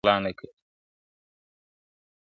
زورور غل په خپل کلي کي غلا نه کوي `